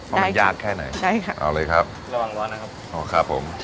ว่ามันยากแค่ไหนใช่ค่ะเอาเลยครับระวังร้อนนะครับอ๋อครับผม